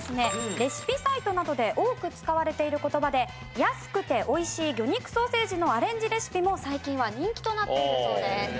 レシピサイトなどで多く使われている言葉で安くておいしい魚肉ソーセージのアレンジレシピも最近は人気となっているそうです。